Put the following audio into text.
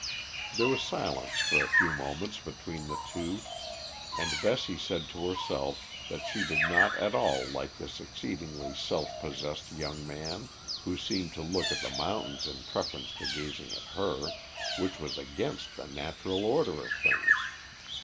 There was silence for a few moments between the two, and Bessie said to herself that she did not at all like this exceedingly self possessed young man, who seemed to look at the mountains in preference to gazing at her which was against the natural order of things.